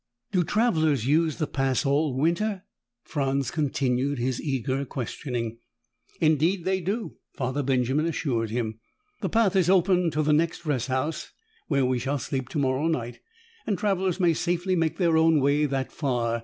"Do travelers use the Pass all winter?" Franz continued his eager questioning. "Indeed they do," Father Benjamin assured him. "The path is open to the next rest house, where we shall sleep tomorrow night, and travelers may safely make their own way that far.